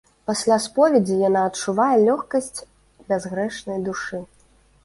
Пасля споведзі яна адчувае лёгкасць бязгрэшнай душы.